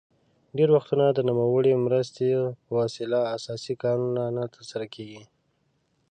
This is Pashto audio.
ډیری وختونه د نوموړو مرستو په وسیله اساسي کارونه نه تر سره کیږي.